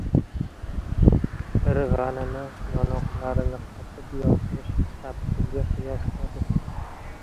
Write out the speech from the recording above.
Bir g‘animi yonoqlarini qotib yotmish tappiga qiyosladi.